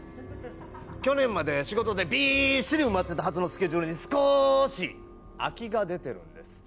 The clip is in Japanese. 去年まで仕事で、びーっしり埋まっていたスケジュールに少し空きが出てるんです。